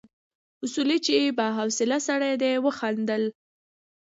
اصولي چې با حوصله سړی دی وخندل.